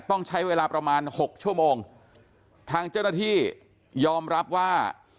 ต้องใช้เวลาประมาณหกชั่วโมงทางเจ้าหน้าที่ยอมรับว่า